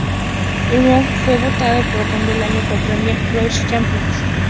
El nocaut fue votado 'Knockout del Año' por Premier Boxing Champions.